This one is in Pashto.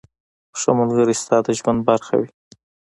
• ښه ملګری ستا د ژوند برخه وي.